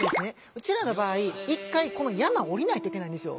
うちらの場合一回この山を下りないといけないんですよ。